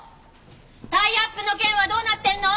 タイアップの件はどうなってるの？